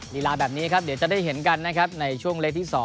ลีลาแบบนี้ครับเดี๋ยวจะได้เห็นกันนะครับในช่วงเลขที่๒